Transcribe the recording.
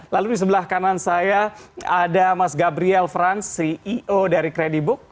lalu di sebelah kanan saya ada mas gabriel franz ceo dari credibook